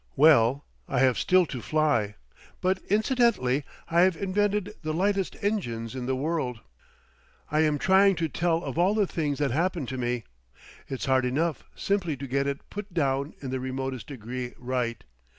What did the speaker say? Well, I have still to fly; but incidentally I have invented the lightest engines in the world. I am trying to tell of all the things that happened to me. It's hard enough simply to get it put down in the remotest degree right.